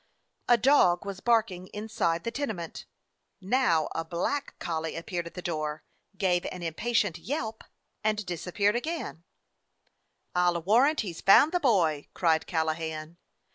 A dog was barking inside the tenement. Now a black collie appeared at the door, gave an impatient yelp, and disappeared again. 265 DOG HEROES OF MANY LANDS "I'll warrant he's found the boy!" cried Callahan.